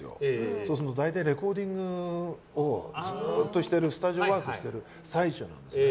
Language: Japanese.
そうすると大体レコーディングをずっとしているスタジオワークしている最中なんですね。